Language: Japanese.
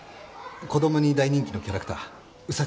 子供に大人気のキャラクターウサっチ。